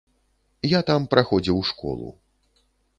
Я там праходзіў школу.